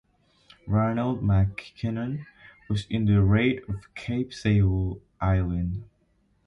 Ranald MacKinnon, was in the Raid of Cape Sable Island.